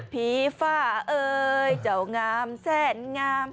ผีฝ้าเฮ่ยเจา่งามแสนงาม